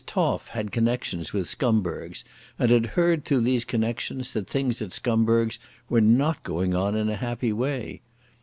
Toff had connections with Scumberg's, and heard through these connections that things at Scumberg's were not going on in a happy way.